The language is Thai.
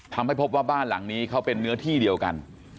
ทำให้พบว่าบ้านหลังนี้เขาเป็นเนื้อที่เดียวกัน